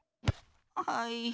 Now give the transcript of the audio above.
はい。